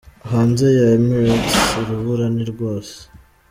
Hanze ya Emirates urubura ni rwose.